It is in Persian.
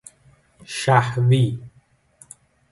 شهوی